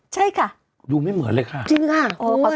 ๖๒ใช่ค่ะดูไม่เหมือนเลยค่ะจริงหรือเปล่าคุณ